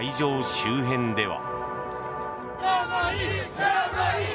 周辺では。